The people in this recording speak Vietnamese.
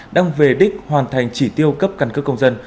đang về đích hoàn thành chỉ tiêu cấp căn cước công dân